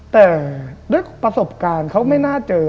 แต่ด้วยประสบการณ์เขาไม่น่าเจอ